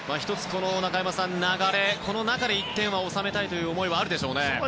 この流れの中で１点は収めたいという思いはあるでしょうね。